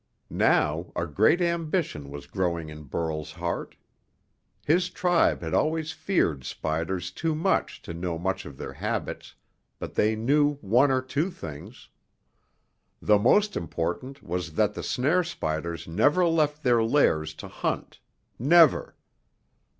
Now, a great ambition was growing in Burl's heart. His tribe had always feared spiders too much to know much of their habits, but they knew one or two things. The most important was that the snare spiders never left their lairs to hunt never!